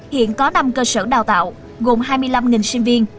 hiện có năm cơ sở đào tạo gồm hai mươi năm sinh viên